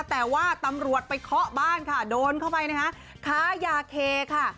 แต่ว่าตำรวจไปเคาะบ้านค่ะโดนเข้าไปนะคะค้ายาเคค่ะ